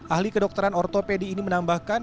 ahli kedokteran ortopedi ini menambahkan